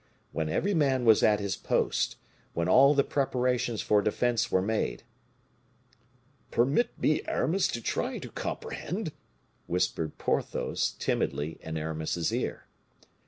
When every man was at his post, when all the preparations for defense were made: "Permit me, Aramis, to try to comprehend," whispered Porthos, timidly, in Aramis's ear.